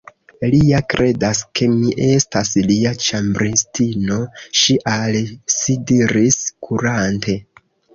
"Li ja kredas ke mi estas lia ĉambristino," ŝi al si diris, kurante.